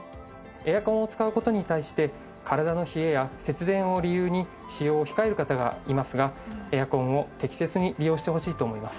エアコンを使う事に対して体の冷えや節電を理由に使用を控える方がいますがエアコンを適切に利用してほしいと思います。